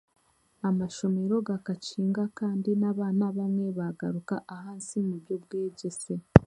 Amashomero gakakinga kandi n'abaana bamwe baagaruka ahansi mu by'obwegyese